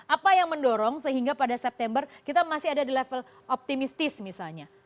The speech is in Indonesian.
apa yang mendorong sehingga pada september kita masih ada di level optimistis misalnya